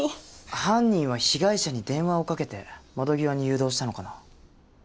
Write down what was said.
犯人は被害者に電話をかけて窓際に誘導したのかな？